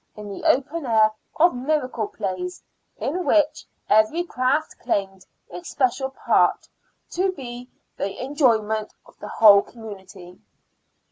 in the open air of miracle plays, in which every craft claimed its special part, to the enjoyment of the whole community.